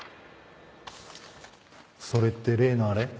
それって例のあれ？